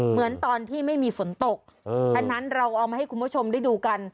เหมือนตอนที่ไม่มีฝนตกฉะนั้นเราเอามาให้คุณผู้ชมได้ดูกัน